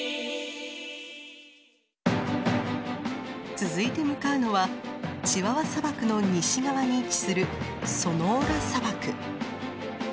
続いて向かうのはチワワ砂漠の西側に位置するソノーラ砂漠。